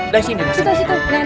dari sini mas